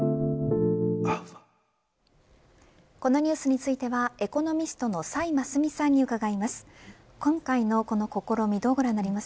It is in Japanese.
このニュースについてはエコノミストの崔真淑さんに伺います。